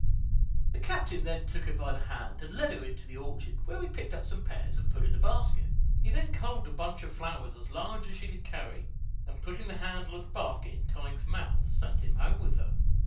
The captain then took her by the hand, and led her into the orchard, where he picked up some pears, and put in a basket; he then culled a bunch of flowers as large as she could carry, and putting the handle of the basket in Tige's mouth, sent him home with her.